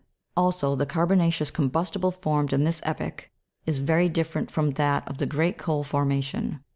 Also the carbona'ceous combustible, formed in this epoch, is very different from that of the great coal formation.